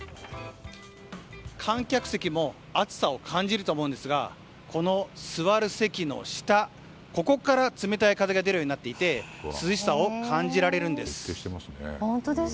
観客席も暑さを感じると思うんですがこの座る席の下から冷たい風が出るようになっていて涼しさを感じられるんです。